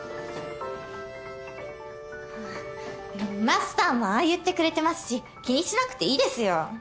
マスターもああ言ってくれてますし気にしなくていいですよ。